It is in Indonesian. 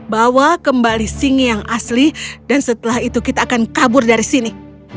bawa kembali singi yang asli dan setelah itu kita akan kabur dari sini